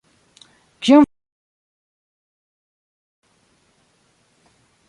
Kion vi volas denove?